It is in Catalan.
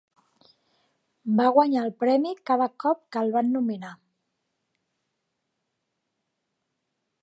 Va guanyar el Premi cada cop que el van nominar.